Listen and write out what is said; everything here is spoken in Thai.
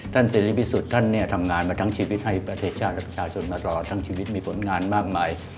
เสรีพิสุทธิ์ท่านเนี่ยทำงานมาทั้งชีวิตให้ประเทศชาติและประชาชนมารอทั้งชีวิตมีผลงานมากมาย